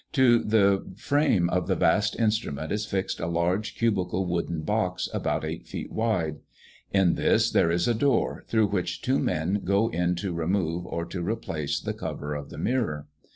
To the frame of the vast instrument is fixed a large cubical wooden box, about eight feet wide; in this there is a door, through which two men go in to remove, or to replace, the cover of the mirror.